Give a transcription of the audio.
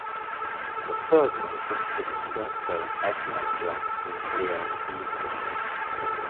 The third movement is a scherzo in F major and trio in D major.